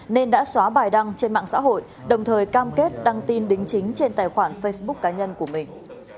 nên đã xóa bài đăng trên mạng xã hội đồng thời cam kết đăng tin đính chính trên tài khoản facebook cá nhân của mình